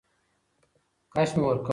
کش مي ورکوی .